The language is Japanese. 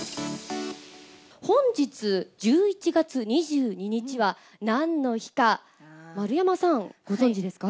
本日、１１月２２日はなんの日か、丸山さん、ご存じですか？